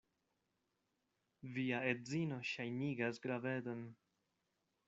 Via edzino ŝajnigas gravedon.